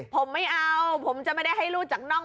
ผมไม่เอาผมจะไม่ได้ให้ลูกจากน่อง